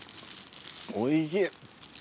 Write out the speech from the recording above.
おいしい。